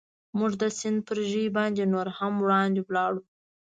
موږ د سیند پر ژۍ باندې نور هم وړاندې ولاړو.